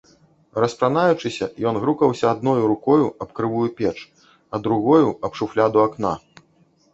Распранаючыся, ён грукаўся адною рукою аб крывую печ, а другою аб шуфляду акна.